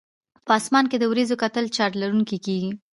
په اسمان کې د وریځو کتلې چارج لرونکي کیږي.